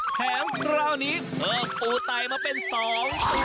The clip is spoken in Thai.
แถมคราวนี้เพิ่มปูไตมาเป็นสอง